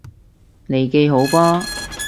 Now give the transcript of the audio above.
利記好波！